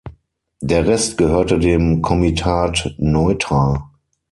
Der Rest gehörte dem Komitat Neutra.